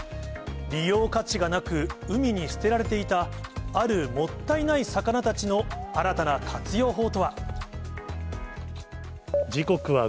利用価値がなく、海に捨てられていた、あるもったいない魚たちの新たな活用法とは。